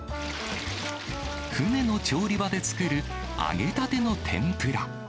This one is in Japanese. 船の調理場で作る揚げたての天ぷら。